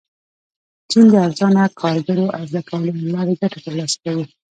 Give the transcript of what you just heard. چین د ارزانه کارګرو عرضه کولو له لارې ګټه ترلاسه کوي.